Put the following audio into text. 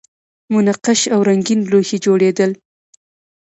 منقش او رنګین لوښي جوړیدل